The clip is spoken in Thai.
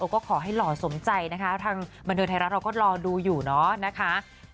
ก็ขอให้หล่อสมใจนะคะทางบันเทิงไทยรัฐเราก็รอดูอยู่เนาะนะคะ